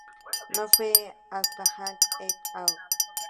No fue hasta Kang et al.